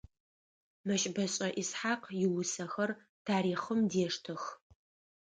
Мэщбэшӏэ Исхьакъ иусэхэр тарихъым дештэх.